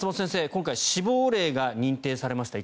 今回、死亡例が認定されました。